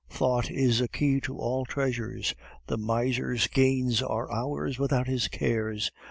Thought is a key to all treasures; the miser's gains are ours without his cares.